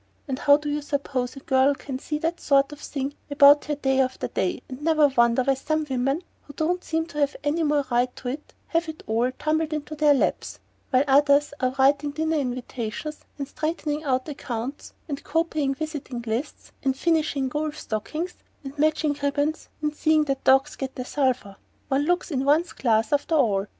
And how do you suppose a girl can see that sort of thing about her day after day, and never wonder why some women, who don't seem to have any more right to it, have it all tumbled into their laps, while others are writing dinner invitations, and straightening out accounts, and copying visiting lists, and finishing golf stockings, and matching ribbons, and seeing that the dogs get their sulphur? One looks in one's glass, after all!"